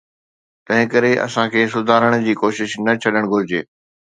تنهن ڪري، اسان کي سڌارڻ جي ڪوشش نه ڇڏڻ گهرجي؟